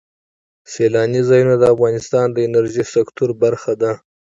سیلاني ځایونه د افغانستان د انرژۍ سکتور برخه ده.